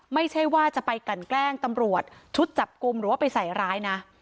ไม่ใช่ว่าจะไปกันแกล้งตำรวจชุดจับกลุ่มหรือว่าไปใส่ร้ายนะ